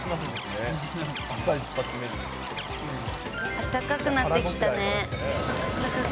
あったかくなってきたね。